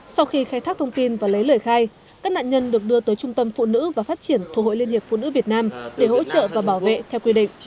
sau khi khai thác thông tin và lấy lời khai các nạn nhân được đưa tới trung tâm phụ nữ và phát triển thủ hội liên hiệp phụ nữ việt nam để hỗ trợ và bảo vệ theo quy định